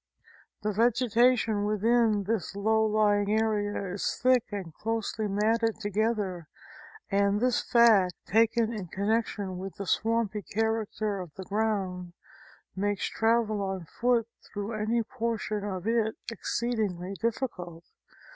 The vegeta tion within this low lying area is thick and closely matted together, and this fact taken in connection with the swampy char acter of the ground, makes travel on foot through any portion of it exceedingly difficult.